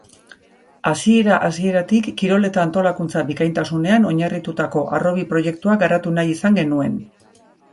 Hasiera-hasieratik kirol eta antolakuntza bikaintasunean oinarritutako harrobi proiektua garatu nahi izan genuen.